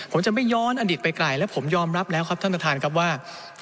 ผมจะไม่ย้อนอันดิบัติไปกลายผมยอมรับแล้วท่านท่านคมว่า